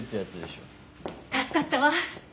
助かったわ。